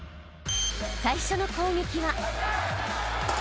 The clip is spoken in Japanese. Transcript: ［最初の攻撃は］